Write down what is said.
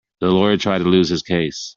The lawyer tried to lose his case.